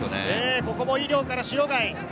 ここも井料から塩貝！